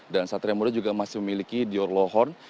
dan satria muda juga masih memiliki dior lohorn